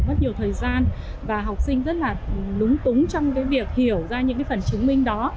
mất nhiều thời gian và học sinh rất là lúng túng trong cái việc hiểu ra những cái phần chứng minh đó